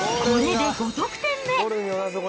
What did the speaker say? これで５得点目。